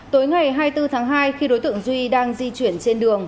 tối ngày hai mươi bốn tháng hai khi đối tượng duy đang di chuyển trên đường